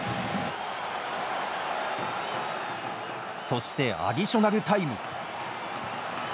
そして、アディショナルタイム。